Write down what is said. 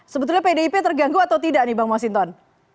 sebetulnya pdip terganggu atau tidak nih bang masinton